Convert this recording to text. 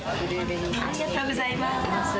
ありがとうございます。